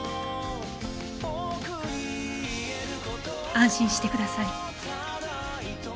安心してください。